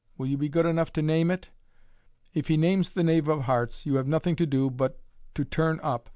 Will you be good enough to name it ?" If he names the knave of hearts, you have nothing to do but to turn up.